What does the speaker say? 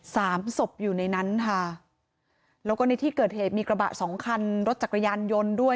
สามศพอยู่ในนั้นค่ะแล้วก็ในที่เกิดเหตุมีกระบะสองคันรถจักรยานยนต์ด้วย